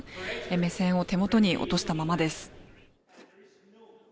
目線を手元に落としたままです。